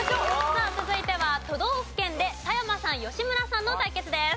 さあ続いては都道府県で田山さん吉村さんの対決です。